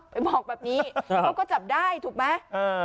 ไปบอกแบบนี้เขาก็จับได้ถูกไหม